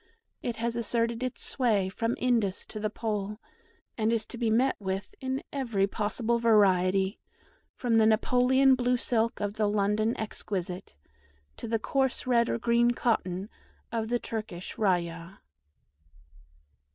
It has asserted its sway from Indus to the Pole, and is to be met with in every possible variety, from the Napoleon blue silk of the London exquisite, to the coarse red or green cotton of the Turkish rayah.